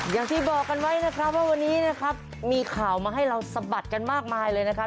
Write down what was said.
อย่างที่บอกกันไว้ว่าวันนี้มีข่าวมาให้เราสบัดกันมากมายเลยนะครับ